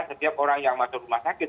setiap orang yang masuk rumah sakit